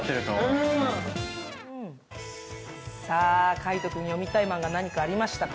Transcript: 海音君、読みたい漫画、何かありましたか？